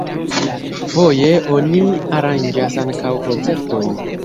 Foje oni aranĝas ankaŭ koncertojn.